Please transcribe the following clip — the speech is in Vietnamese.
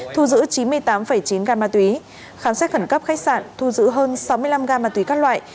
thu giữ chín mươi tám chín gam ma túy khám xét khẩn cấp khách sạn thu giữ hơn sáu mươi năm gam ma túy các loại